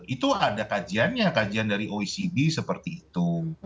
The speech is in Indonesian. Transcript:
itu ada kajiannya kajian dari oecd seperti itu